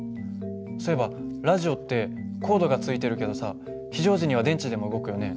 そういえばラジオってコードがついてるけどさ非常時には電池でも動くよね。